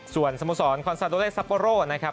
ส่วนสโมสรคอนซาโดเลซัปโปโรนะครับ